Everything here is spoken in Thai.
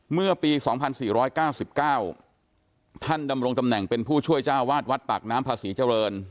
เมื่อปีสองพันสี่ร้อยเก้าสิบเก้าท่านดำรงจำแหน่งเป็นผู้ช่วยเจ้าวาดวัดปากน้ำพระศรีเจริญ